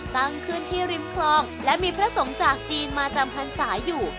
ตั้งขึ้นที่ริมคลองและมีพระสงฆ์จากจีนมาจำพรรษาอยู่